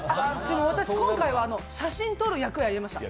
私今回は写真撮る役やりました。